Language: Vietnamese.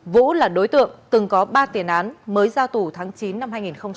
vũ là đối tượng từng có ba tiền án mới ra tù tháng chín năm hai nghìn hai mươi